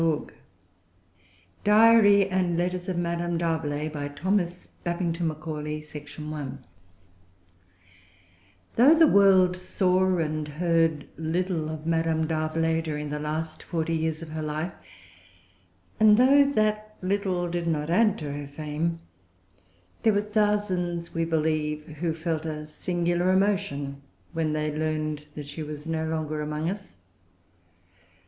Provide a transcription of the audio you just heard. [Pg 331] DIARY AND LETTERS OF MADAME D'ARBLAY The Edinburgh Review, January, 1843 Though the world saw and heard little of Madame D'Arblay during the last forty years of her life, and though that little did not add to her fame, there were thousands, we believe, who felt a singular emotion when they learned that she was no longer among us.